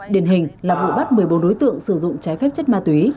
điển hình là vụ bắt một mươi bốn đối tượng sử dụng trái phép chất ma túy